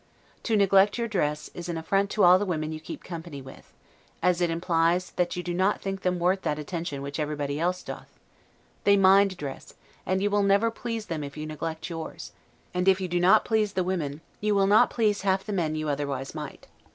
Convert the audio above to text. To neglect your dress, is an affront to all the women you keep company with; as it implies that you do not think them worth that attention which everybody else doth; they mind dress, and you will never please them if you neglect yours; and if you do not please the women, you will not please half the men you otherwise might.